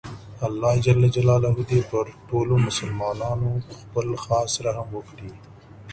الله ﷻ دې پر ټولو مسلماناتو خپل خاص رحم وکړي